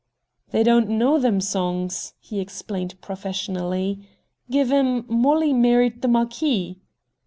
"They don't know them songs," he explained professionally. "Give 'em, 'Mollie Married the Marquis.'"